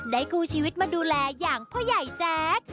คู่ชีวิตมาดูแลอย่างพ่อใหญ่แจ๊ก